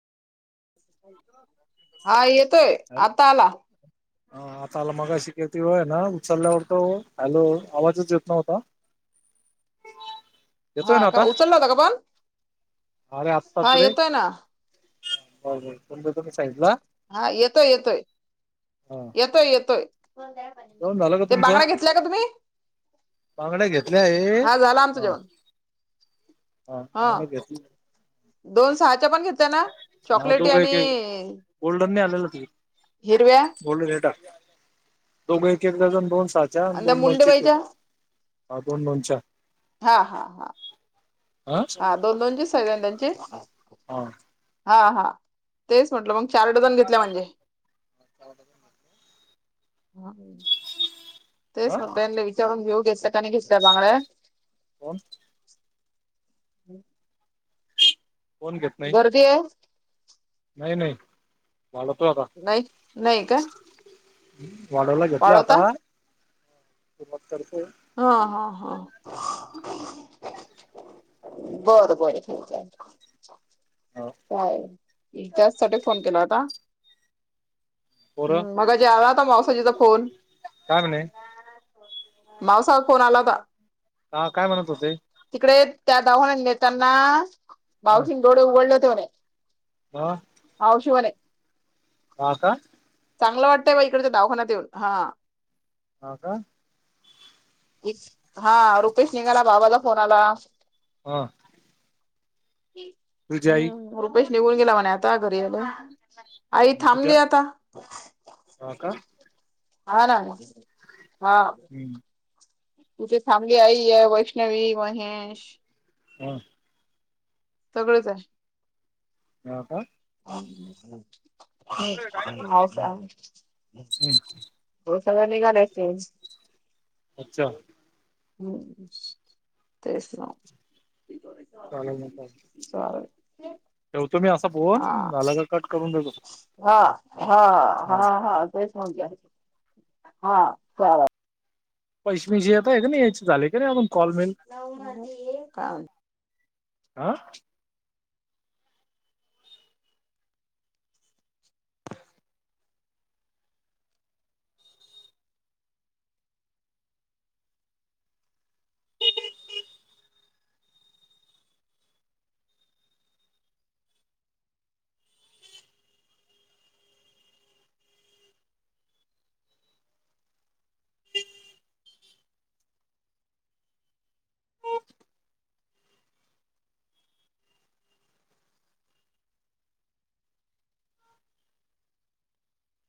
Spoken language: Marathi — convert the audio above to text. हा येतोय आता आला ह आता आला मगा शिकायती वय ना उचलल्यावर त हॅलो आवाजच येत नव्हता येतोय हा ना का आता उचलला होता का पण अरे आत्ताात हा रे येतोय ना हो तुम तुम सयितला हा येतोय येतोय हा येतोय येतोय जेवण ते बांगड घेतल्या का तुम्ही बांगड घेतल्या आहे हा झालं आमचं ह जेवण हा चांग घस [unintelligible] दोन सहाच्या पण घेत्या ना चॉकलेटी आणि घ च्या हिरव्या आणि त्या दोन मन मुंडेबाईच्या हा दोन मनच्या हा हा हा हा दोन दोन देऊ सगळ्या जणांचे हा [inaudible] हा हा तेच म्हटलं मग चार डझन घेतल्या म्हणजे हा [inaudible] तेच हा म्हटलं एकदा विचारून घेऊ की सगळ्यांनी घेतल्या बांगड्या कोण [inaudible] कोण घेत नाही बर दे नाही नाही वाढवतो आता नाही. नाही का वाढवला घेतलं वाढवता आता [inaudible] अ ह हा बरं बर हा [inaudible] काय त्याचसाठी फोन केला होता पोरं मगाशी आला होता मावसाजिंचा फोन काय म्हणे मावसाचा फोन आला होता हा काय म्हणत होते तिकडे त्या दवाखान्यात नेताना हा मावशीन डोळे उघडले होते म्हणे हा मावशी म्हणे हा का चांगलं वाटतंय बा इकडच्या दावाखान्यात येऊन हा हा का हा [inaudible] हा रुपेश निघाला बाबाचा फोन आला हा तुझी आई हम रुपेश निघून गेला म्हणे आता घरी याला आई तुझ्या थांबली आता हा का हाना हा हम्म तुझे फॅमिली आयी आहे वैष्णवी महेश हम सगळंच आहे हा का [inaudible] हो सगळ्य निघालाय तेच अच्छा हम तेच ना चालल म चालताय चालेल ठवतो मी असा हा फोन झाला का कट कर हा हा हा हा तेच म्हणतायत हा चालल पैशेबिशे येत आहे का नाही याचे झाले का नाही अजून कॉल मिल काय माहिती [inaudible] आ